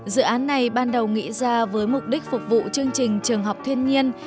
dự án này ban đầu nghĩ ra với mục đích phục vụ chương trình trường học thiên nhiên